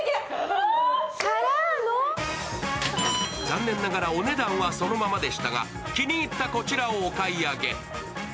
残念ながらお値段はそのままでしたが気に入ったこちらをお買い上げ。